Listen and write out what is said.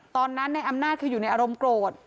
ตอนนั้นในอำนาจคืออยู่ในอารมณ์โกรธ